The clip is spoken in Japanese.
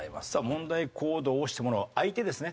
問題行動をしてもらう相手ですね。